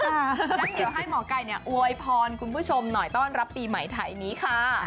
งั้นเดี๋ยวให้หมอไก่อวยพรคุณผู้ชมหน่อยต้อนรับปีใหม่ไทยนี้ค่ะ